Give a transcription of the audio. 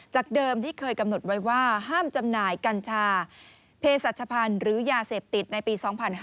เดิมที่เคยกำหนดไว้ว่าห้ามจำหน่ายกัญชาเพศรัชพันธ์หรือยาเสพติดในปี๒๕๕๙